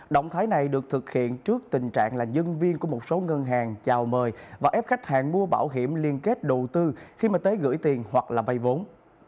động thái này được thực hiện trước tình trạng là nhân viên của một số ngân hàng chào mời và ép khách hàng mua bảo hiểm liên kết đầu tư khi mà tới gửi tiền hoặc là vay vốn